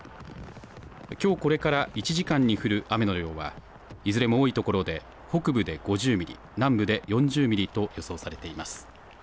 きょうこれから１時間に降る雨の量はいずれも多いところで北部で５０ミリ、南部で４０ミリと予想されています。